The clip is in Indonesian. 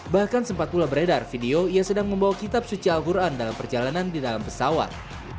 bahkan sempat pula beredar video ia sedang membawa kitab suci al quran dalam perjalanan di dalam pesawat